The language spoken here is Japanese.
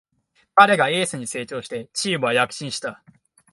彼がエースに成長してチームは躍進した